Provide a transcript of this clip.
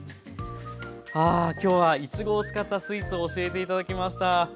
ああきょうはいちごを使ったスイーツを教えて頂きました。